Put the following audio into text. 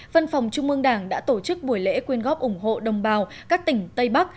văn phòng trung mương đảng đã tổ chức buổi lễ quyên góp ủng hộ đồng bào các tỉnh tây bắc